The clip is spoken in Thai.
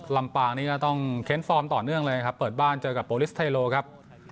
ลำปางนี้จะต้องเค้นฟอร์มต่อเนื่องเลยครับเปิดบ้านเจอกับโปรลิสเทโลครับ